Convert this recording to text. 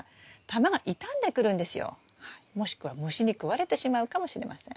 もしくは虫に食われてしまうかもしれません。